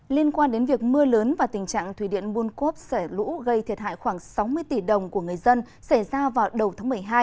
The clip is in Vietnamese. liên quan đến việc mưa lớn và tình trạng thủy điện buôn cốp xảy lũ gây thiệt hại khoảng sáu mươi tỷ đồng của người dân xảy ra vào đầu tháng một mươi hai